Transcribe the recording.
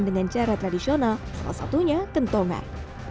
dengan cara tradisional salah satunya kentongan